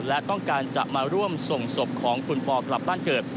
และต้องการจะมาร่วมส่งศพของคุณปอกลับบ้านเกิด